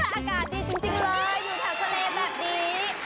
อากาศดีจริงเลยอยู่แถวทะเลแบบนี้